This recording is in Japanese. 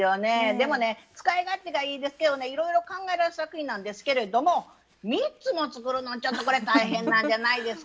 でもね使い勝手がいいですけどねいろいろ考えられた作品なんですけれども３つも作るのちょっとこれ大変なんじゃないですか？